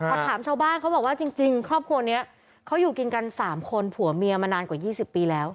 พอถามชาวบ้านเขาบอกว่าจริงครอบครัวนี้เขาอยู่กินกัน๓คนผัวเมียมานานกว่า๒๐ปีแล้ว